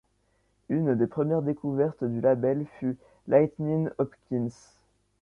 Une des premières découvertes du label fut Lightnin' Hopkins.